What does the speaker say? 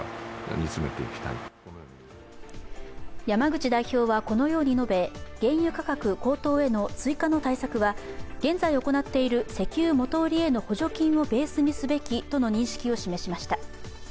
山口代表はこのように述べ原油価格高騰への追加の対策は現在行っている石油元売りへの補助金をベースにすべきとの認識を示しました。